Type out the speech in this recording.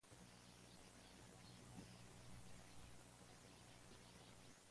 La última representante de la saga, Beatriz, contrae matrimonio con Guillermo.